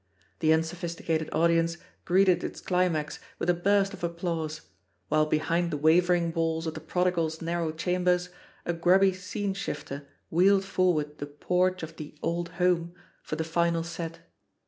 The unsophisticated audience greeted its climax with a burst of applause, while behind the waver ing walls of the prodigaFs narrow chambers a grubby scene shifter wheeled forward the porch of the "Old Home" for the final set.